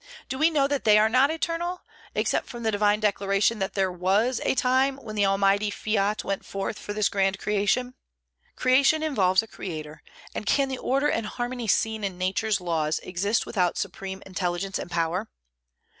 Do we know that they are not eternal, except from the divine declaration that there was a time when the Almighty fiat went forth for this grand creation? Creation involves a creator; and can the order and harmony seen in Nature's laws exist without Supreme intelligence and power?